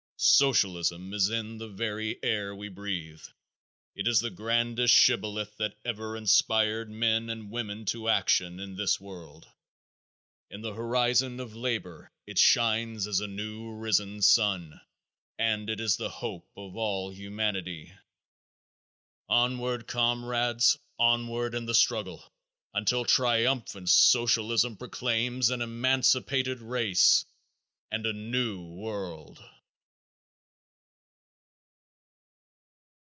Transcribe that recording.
Socialism is in the very air we breathe. It is the grandest shibboleth that ever inspired men and women to action in this world. In the horizon of labor it shines as a new risen sun and it is the hope of all humanity. Onward, comrades, onward in the struggle, until Triumphant Socialism proclaims an Emancipated Race and a New World!